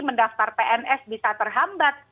mendaftar pns bisa terhambat